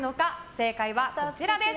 正解は、こちらです。